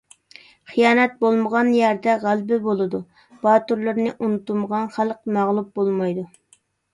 خىيانەت بولمىغان يەردە غەلىبە بولىدۇ؛ باتۇرلىرىنى ئۇنتۇمىغان خەلق مەغلۇپ بولمايدۇ.